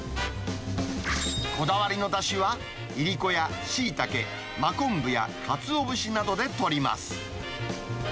こだわりのだしは、イリコやシイタケ、真昆布やかつお節などで取ります。